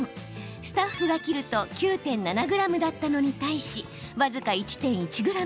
スタッフが切ると９．７ｇだったのに対し僅か１．１ｇ。